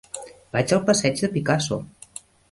Vaig al passeig de Picasso.